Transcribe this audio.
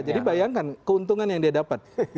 jadi bayangkan keuntungan yang dia dapat